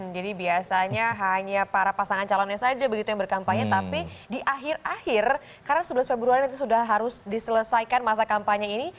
jadi biasanya hanya para pasangan calonnya saja begitu yang berkampanye tapi di akhir akhir karena sebelas februari nanti sudah harus diselesaikan masa kampanye ini